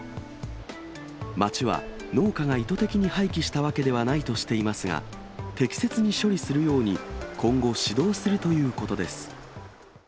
町は、農家が意図的に廃棄したわけではないとしていますが、適切に処理するように、今後、指導するということです。